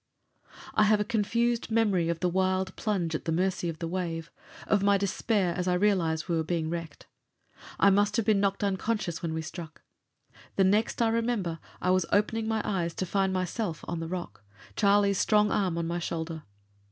I have a confused memory of the wild plunge at the mercy of the wave, of my despair as I realized that we were being wrecked. I must have been knocked unconscious when we struck. The next I remember I was opening my eyes to find myself on the rock, Charlie's strong arm on my shoulder.